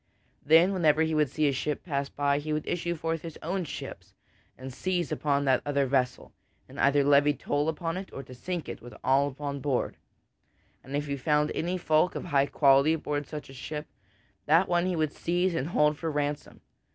Then, whenever he would see such a ship pass by, he would issue forth in his own ships and seize upon that other vessel, and either levy toll upon it or sink it with all upon board. And if he found any folk of high quality aboard such a ship, that one he would seize and hold for ransom.